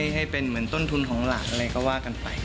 ให้เป็นเหมือนต้นทุนของหลานอะไรก็ว่ากันไป